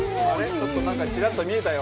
ちょっとなんかチラッと見えたよ。